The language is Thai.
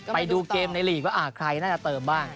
ไปดูเกมในลีกว่าใครน่าจะเติมบ้าง